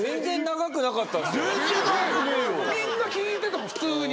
みんな聞いてたもん普通に。